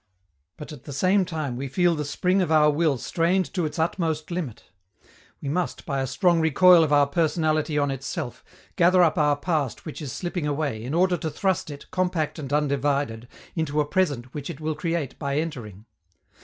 But, at the same time, we feel the spring of our will strained to its utmost limit. We must, by a strong recoil of our personality on itself, gather up our past which is slipping away, in order to thrust it, compact and undivided, into a present which it will create by entering.